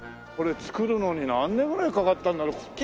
これ造るのに何年ぐらいかかったんだろう？